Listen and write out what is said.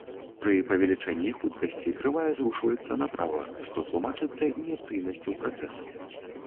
Пры павелічэнні хуткасці крывая зрушваецца направа, што тлумачыцца інерцыйнасцю працэсаў.